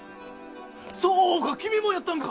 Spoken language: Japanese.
そうか君もやったんか！